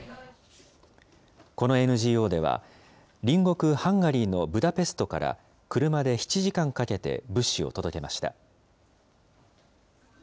このＮＧＯでは、隣国、ハンガリーのブダペストから、車で７時間かけて物資を届けました。